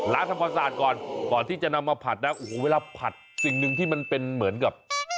ทำความสะอาดก่อนก่อนที่จะนำมาผัดนะโอ้โหเวลาผัดสิ่งหนึ่งที่มันเป็นเหมือนกับ